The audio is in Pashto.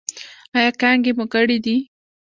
ایا کانګې مو کړي دي؟